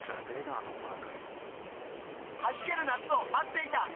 あのバカ。